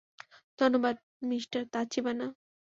ধন্যবাদ, মিঃ তাচিবানা।